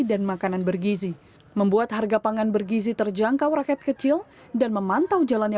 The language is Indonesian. dan makanan bergizi membuat harga pangan bergizi terjangkau rakyat kecil dan memantau jalannya